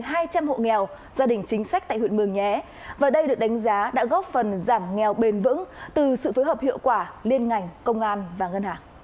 hiệu quả liên ngành công an và ngân hàng